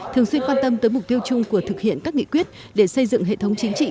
thường xuyên quan tâm tới mục tiêu chung của thực hiện các nghị quyết để xây dựng hệ thống chính trị